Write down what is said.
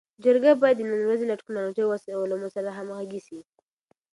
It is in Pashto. جرګه باید د نن ورځې له ټکنالوژۍ او عصري علومو سره همږغي سي.